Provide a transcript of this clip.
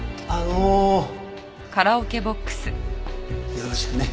よろしくね。